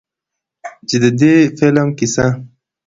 چې د دې فلم قيصه